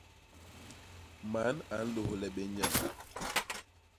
Man a nlôhle bé nyañ.